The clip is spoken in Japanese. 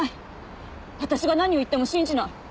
私が何を言っても信じない。